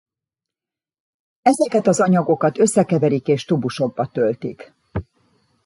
Ezeket az anyagokat összekeverik és tubusokba töltik.